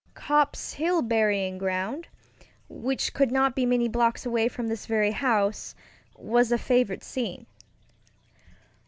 Copp's Hill Burying Ground, which could not be many blocks away from this very house, was a favorite scene.